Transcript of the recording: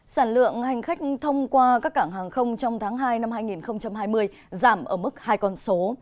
sản lượng hành khách thông qua các cảng hàng không trong tháng hai năm hai nghìn hai mươi giảm ở mức hai con số